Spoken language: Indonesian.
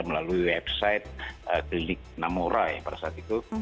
dia melalui website klinik namorai pada saat itu